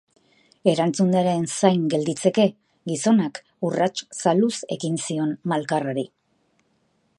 Erantzunaren zain gelditzeke, gizonak urrats zaluz ekin zion malkarrari.